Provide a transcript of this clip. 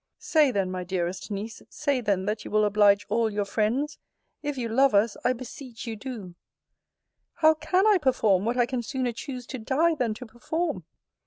Say then, my dearest Niece, say then, that you will oblige all your friends! If you love us, I beseech you do How can I perform what I can sooner choose to die than to perform